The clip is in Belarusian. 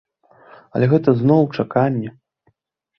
Але гэта зноў чаканне.